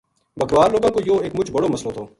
بکروال لوکاں کو یوہ ایک مُچ بڑو مسلو تھو۔